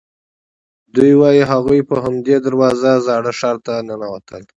دوی وایي هغوی په همدې دروازو زاړه ښار ته ننوتل.